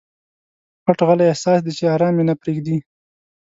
پټ غلی احساس دی چې ارام مي نه پریږدي.